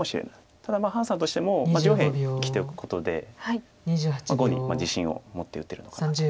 ただ潘さんとしても上辺生きておくことで碁に自信を持って打てるのかなという気はします。